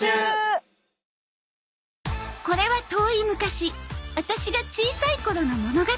これは遠い昔アタシが小さい頃の物語